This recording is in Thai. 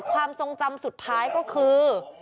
ความทรงจำสุดท้ายก็คือ